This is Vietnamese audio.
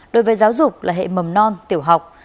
đối với giáo dục là hệ mầm non tiểu học